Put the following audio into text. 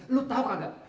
lu tahu gak